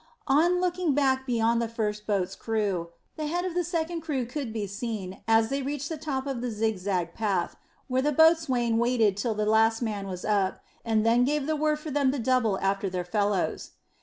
On looking back beyond the first boat's crew, the head of the second crew could be seen as they reached the top of the zigzag path, where the boatswain waited till the last man was up, and then gave the word for them to double after their fellows.